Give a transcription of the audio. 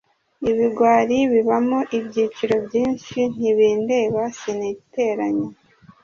ibigwari bibamo ibyiciro byinshi ntibindeba, siniteranya